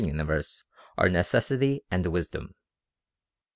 universe are necessity and wisdom.